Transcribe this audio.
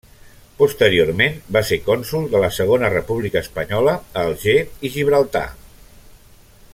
Posteriorment va ser cònsol de la Segona República Espanyola a Alger i Gibraltar.